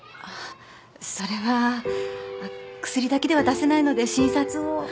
あっそれはあっ薬だけでは出せないので診察を。